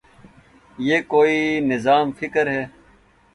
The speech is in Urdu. یہ کوئی نظام فکر ہے۔